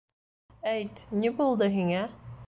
— Әйт, ни булды һиңә?